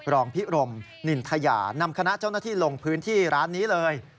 รองพิรมนินทยานำคณะเจ้าหน้าที่ลงพื้นที่ร้านนี้เลย